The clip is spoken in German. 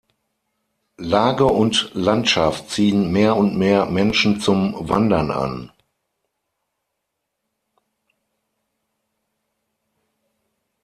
Lage und Landschaft ziehen mehr und mehr Menschen zum Wandern an.